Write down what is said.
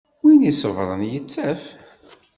Win i iṣebbren yettaf.